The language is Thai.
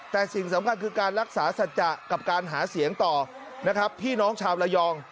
แต่สิ่งสำคัญคือการรักษาสัจจะกับการหาเสียงต่อนะครับพี่น้องชาวระยอง